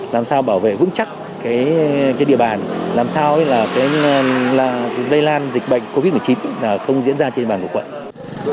làm sao bảo vệ vững chắc cái địa bàn làm sao cái lây lan dịch bệnh covid một mươi chín là không diễn ra trên bàn của quận